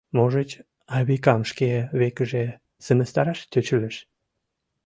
Можыч, Айвикам шке векыже сымыстараш тӧчылеш?